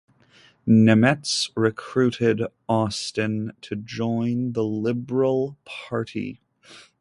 Nemetz recruited Austin to join the Liberal Party.